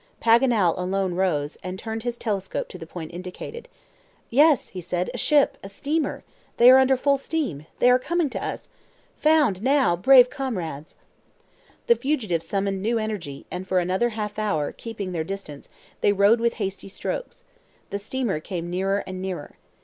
Paganel alone rose, and turned his telescope to the point indicated. "Yes," said he, "a ship! a steamer! they are under full steam! they are coming to us! Found now, brave comrades!" The fugitives summoned new energy, and for another half hour, keeping their distance, they rowed with hasty strokes. The steamer came nearer and nearer.